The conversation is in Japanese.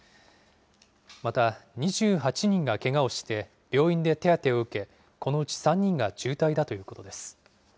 また、２８人がけがをして、病院で手当てを受け、このうち３人が重体だということです。